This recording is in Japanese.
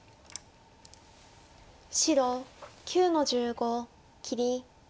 白９の十五切り。